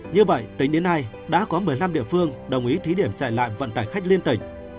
như vậy tính đến nay đã có một mươi năm địa phương đồng ý thí điểm dạy lại vận tải khách liên tỉnh